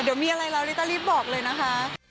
เดี๋ยวมีอะไรแล้วลิต้ารีบบอกเลยนะคะ